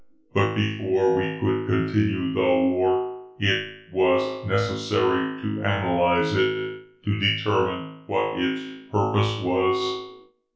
But before we could continue the war, it was necessary to analyze it to determine what its purpose was.